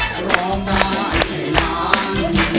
คุณร้องได้ให้ร้าน